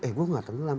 eh gua nggak tenggelam